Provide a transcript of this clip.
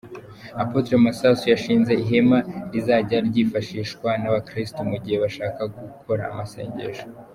Apotre Masasu yashyinze ihema rizajya ryifashishwa n’ abakirisutu mu gihe bashaka gukora amasengesho .